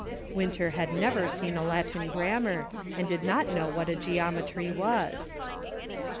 Winter had never seen a Latin grammar, and did not know what a geometry was.